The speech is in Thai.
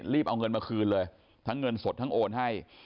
เอาเงินมาคืนเลยทั้งเงินสดทั้งโอนให้